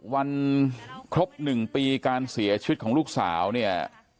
วันครบ๑ปีการเสียชีวิตของลูกสาวเนี่ย